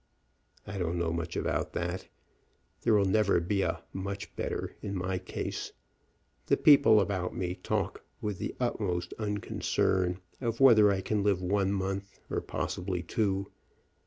"I don't know much about that. There will never be a 'much better' in my case. The people about me talk with the utmost unconcern of whether I can live one month or possibly two.